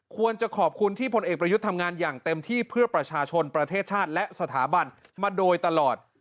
ควรจะขอบคุณที่พลเอกประยุทธ์ทำงานอย่างเต็มที่เพื่อประชาชนประเทศชาติและสถาบันมาโดยตลอด